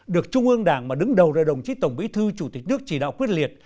được trung ương đảng mà đứng đầu ra đồng chí tổng bí thư chủ tịch nước chỉ đạo quyết liệt